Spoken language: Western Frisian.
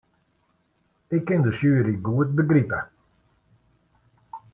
Ik kin de sjuery goed begripe.